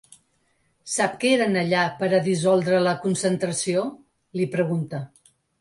Sap que eren allà per a dissoldre la concentració?, li pregunta.